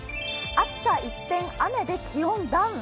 暑さ一転、雨で気温ダウン。